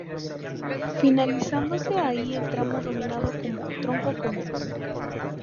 Finalizándose ahí el tramo denominado como "Tronco Común".